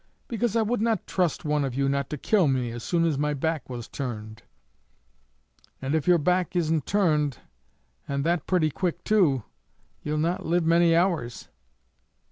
"Because I would not trust one of you not to kill me as soon as my back was turned." "And if your back isn't turned, and that pretty quick, too, ye'll not live many hours."